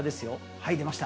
はい、出ました。